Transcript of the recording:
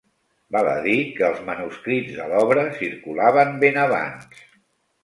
Val a dir que els manuscrits de l’obra circulaven ben abans.